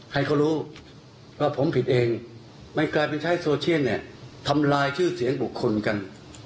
ให้เขารู้ว่าผมผิดเองมันกลายเป็นใช้โซเชียลเนี่ยทำลายชื่อเสียงบุคคลกัน